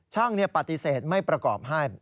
ช่างปฏิเสธไม่ประกอบให้